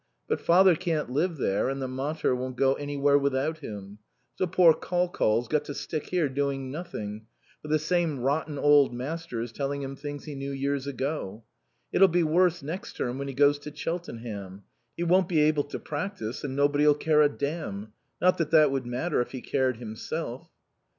But father can't live there and the mater won't go anywhere without him. So poor Col Col's got to stick here doing nothing, with the same rotten old masters telling him things he knew years ago.... It'll be worse next term when he goes to Cheltenham. He won't be able to practice, and nobody'll care a damn.... Not that that would matter if he cared himself."